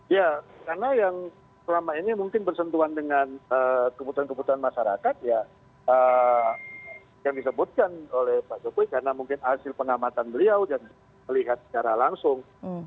ya karena yang selama ini mungkin bersentuhan dengan kebutuhan kebutuhan masyarakat ya yang disebutkan oleh pak jokowi karena mungkin hasil pengamatan beliau dan melihat secara langsung